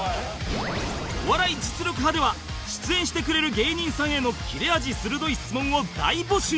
『お笑い実力刃』では出演してくれる芸人さんへの切れ味鋭い質問を大募集